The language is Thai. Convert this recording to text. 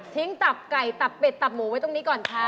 ตับไก่ตับเป็ดตับหมูไว้ตรงนี้ก่อนค่ะ